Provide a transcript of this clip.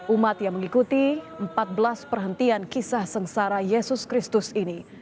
umat yang mengikuti empat belas perhentian kisah sengsara yesus kristus ini